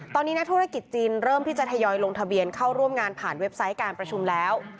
ตอนนี้นักธุรกิจจีนเริ่มที่จะทยอยลงทะเบียนเข้าร่วมงานผ่านเว็บไซต์การประชุมแล้ว